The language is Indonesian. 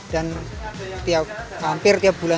dan hampir tiap bulan